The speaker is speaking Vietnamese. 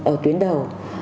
ở tuyến đầu